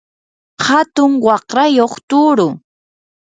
atun waqrayuq tuuru.